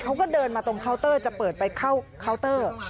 เขาก็เดินมาตรงเคาน์เตอร์จะเปิดไปเข้าเคาน์เตอร์